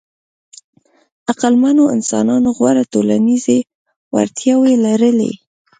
عقلمنو انسانانو غوره ټولنیزې وړتیاوې لرلې.